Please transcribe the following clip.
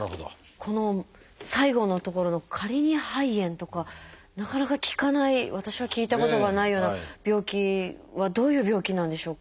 この最後のところのカリニ肺炎とかなかなか聞かない私は聞いたことがないような病気はどういう病気なんでしょうか？